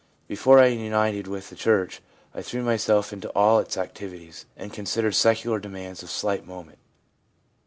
Before I united with the church I threw myself into all its activities, and considered secular demands of slight moment.'